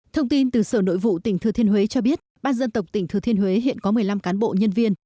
thông tin từ sở nội vụ tỉnh thừa thiên huế cho biết ban dân tộc tỉnh thừa thiên huế hiện có một mươi năm cán bộ nhân viên